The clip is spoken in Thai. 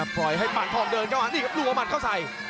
ปล่อยให้ปานทองเดินเข้ามานี่ครับดูเอาหมัดเข้าใส่